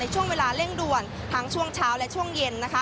ช่วงเวลาเร่งด่วนทั้งช่วงเช้าและช่วงเย็น